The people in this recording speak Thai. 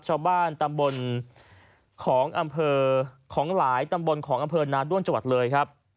ชาวบ้านตำบลของอำเภอของหลายตำบลของอำเภอนาด้วนจังหวัดเลยครับ